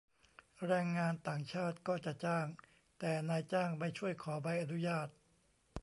แรงงานต่างชาติก็จะจ้าง แต่นายจ้างไม่ช่วยขอใบอนุญาต